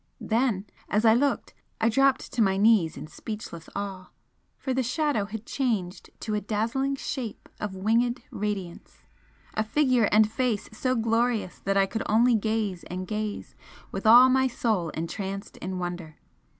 Then as I looked I dropped to my knees in speechless awe for the Shadow had changed to a dazzling Shape of winged radiance, a figure and face so glorious that I could only gaze and gaze, with all my soul entranced in wonder!